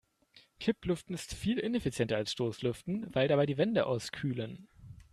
Kipplüften ist viel ineffizienter als Stoßlüften, weil dabei die Wände auskühlen.